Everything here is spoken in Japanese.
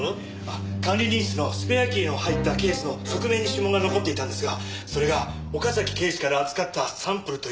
管理人室のスペアキーの入ったケースの側面に指紋が残っていたんですがそれが岡崎警視から預かったサンプルと一致したんです！